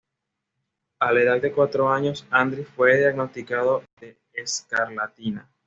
A la edad de cuatro años, Andris fue diagnosticado de escarlatina.